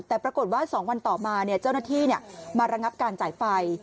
แต่ปรากฏว่า๒วันต่อมาเจ้าหน้าที่มาระงับการจ่ายไฟ